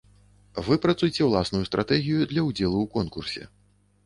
Выпрацуйце ўласную стратэгію для ўдзелу ў конкурсе.